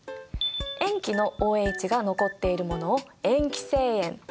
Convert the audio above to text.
塩基のＯＨが残っているものを塩基性塩というんだ。